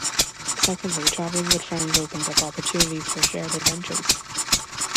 Secondly, travelling with friends opens up opportunities for shared adventures.